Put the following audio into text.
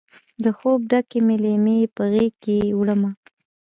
د خوب ډکې مې لیمې په غیږکې وړمه